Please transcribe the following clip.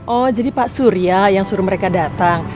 oh jadi pak surya yang suruh mereka datang